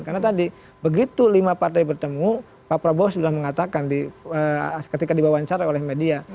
karena tadi begitu lima partai bertemu pak prabowo sudah mengatakan ketika dibawancar oleh media